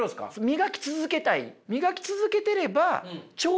磨き続けたい。